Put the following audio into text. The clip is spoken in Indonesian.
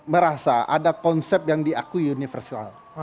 merasa ada konsep yang diakui universial